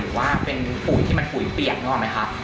หรือว่าเป็นปุ๋ยที่มันปุ๋ยเปียกนึกออกไหมคะ